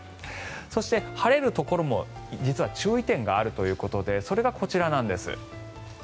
そして、晴れるところも注意点があるということでそれがこちらなんです。